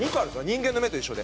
人間の目と一緒で。